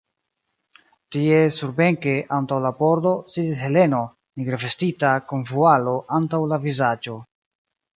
Tie, surbenke, antaŭ la pordo, sidis Heleno, nigre vestita, kun vualo antaŭ la vizaĝo.